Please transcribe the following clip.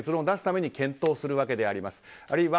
結論を出すために検討をするわけであります。